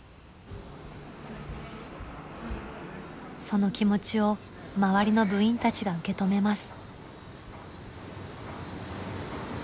その気持ちを周りの部員たちが受け止めます。